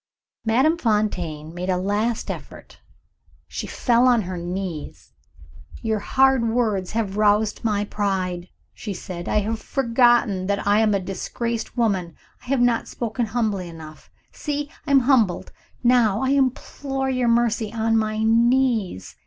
Madame Fontaine made a last effort she fell on her knees. "Your hard words have roused my pride," she said; "I have forgotten that I am a disgraced woman; I have not spoken humbly enough. See! I am humbled now I implore your mercy on my knees.